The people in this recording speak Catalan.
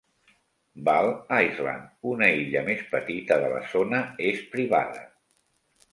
Ball Island, una illa més petita de la zona, és privada.